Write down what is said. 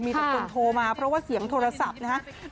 มีแต่คนโทรมาเพราะว่าเสียงโทรศัพท์นะครับ